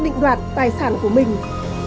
định đoàn tài sản của mình